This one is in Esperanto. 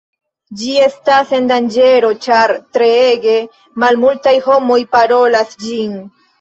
Ĝi estas en danĝero ĉar treege malmultaj homoj parolas ĝin.